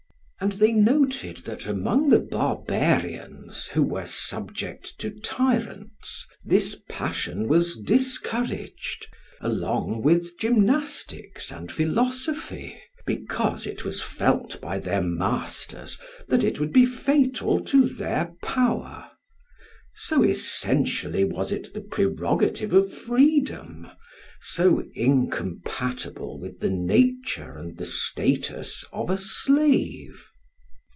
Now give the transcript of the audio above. And they noted that among the barbarians, who were subject to tyrants, this passion was discouraged, along with gymnastics and philosophy, because it was felt by their masters that it would be fatal to their power; so essentially was it the prerogative of freedom, so incompatible with the nature and the status of a slave.